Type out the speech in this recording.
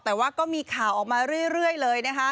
แต่ว่าก็มีข่าวออกมาเรื่อยเลยนะคะ